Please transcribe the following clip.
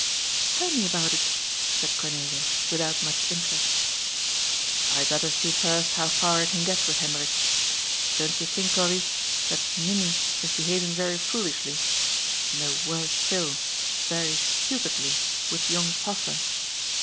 " Tell me about it," said Cornelia, without much in terest. ^' I had better see first how far I can get with Hendrik. Don't you think, Corry, thaf Ninnie is behaving very foolishly — no, worse still, very stupidly — with young Paflfer?"